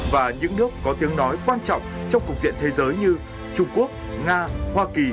và những nước có tiếng nói quan trọng trong cục diện thế giới như trung quốc nga hoa kỳ